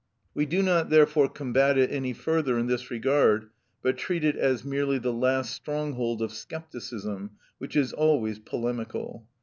We do not therefore combat it any further in this regard, but treat it as merely the last stronghold of scepticism, which is always polemical.